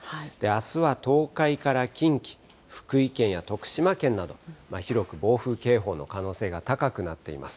あすは東海から近畿、福井県や徳島県など、広く暴風警報の可能性が高くなっています。